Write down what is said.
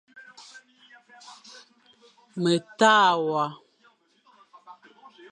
Me ta wa ;